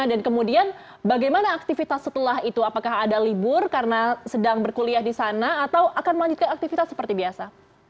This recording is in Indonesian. dan kemudian bagaimana aktivitas setelah itu apakah ada libur karena sedang berkuliah di sana atau akan melanjutkan aktivitas seperti biasa